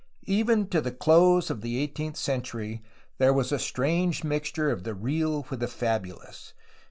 Even to the close of the eighteenth cen tury there was a strange mixture of the real with the fabulous.